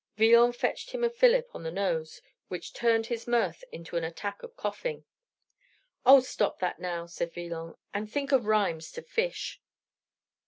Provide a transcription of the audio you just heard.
Villon fetched him a fillip on the nose, which turned his mirth into an attack of coughing. "Oh, stop that row," said Villon, "and think of rhymes to 'fish.'"